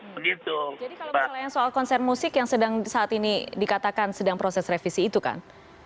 jadi kalau misalnya soal konser musik yang saat ini dikatakan sedang proses revisi itu kan